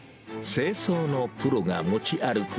清掃のプロが持ち歩く